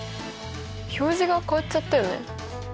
表示が変わっちゃったよね。